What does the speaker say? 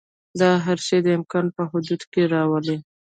دا هر شی د امکان په حدودو کې راولي.